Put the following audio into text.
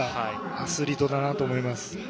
アスリートだなと思います。